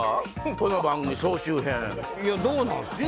この番組総集編いやどうなんすか？